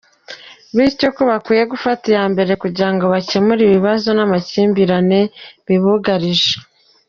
Bityo ko bakwiye gufata iya mbere kugira ngo bakemure ibibazo n’amakimbirane bibugarije.